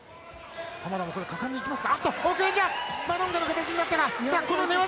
浜田も果敢に行きますか？